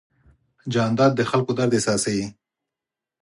جانداد د خلکو درد احساسوي.